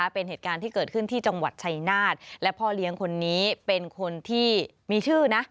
เป็นเหตุการณ์ที่เกิดขึ้นที่จังหวัดชัยนาฏและพ่อเลี้ยงคนนี้เป็นคนที่มีชื่อนะ